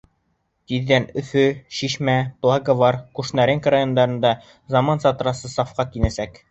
Тиҙҙән Өфө, Шишмә, Благовар, Кушнаренко райондарында заманса трасса сафҡа инәсәк.